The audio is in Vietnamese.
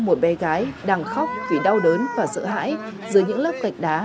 một bé gái đang khóc vì đau đớn và sợ hãi dưới những lớp gạch đá